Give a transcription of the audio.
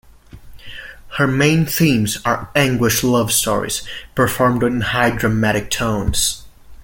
Her main themes are anguished love stories performed in high dramatic tones.